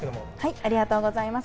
ありがとうございます。